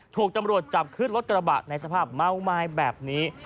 ถูกตำรวจจับขึ้นรถกระบะในสภาพเมาไม้แบบนี้